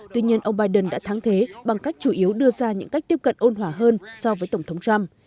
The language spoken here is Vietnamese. tuy nhiên ông biden đã thắng thế bằng cách chủ yếu đưa ra những cách tiếp cận ôn hòa hơn so với tổng thống trump